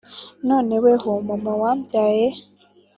none weho mama wambyaye